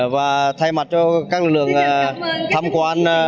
và thay mặt cho các lực lượng thăm quan